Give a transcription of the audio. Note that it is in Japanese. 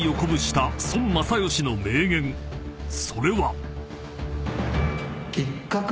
［それは］